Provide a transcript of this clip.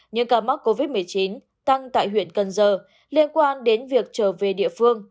những ca mắc covid một mươi chín tăng tại huyện cần giờ liên quan đến việc trở về địa phương